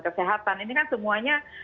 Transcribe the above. kesehatan ini kan semuanya